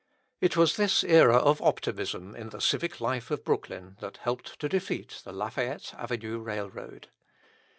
It was this era of optimism in the civic life of Brooklyn that helped to defeat the Lafayette Avenue railroad.